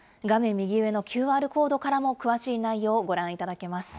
右上のＱＲコードからも詳しい内容をご覧いただけます。